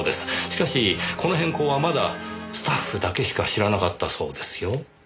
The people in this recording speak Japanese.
しかしこの変更はまだスタッフだけしか知らなかったそうですよ。